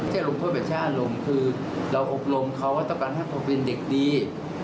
ที่รุงโทษประชาลลงคือเราอบลมเขาว่าต้องการให้เขาเป็นเด็กดี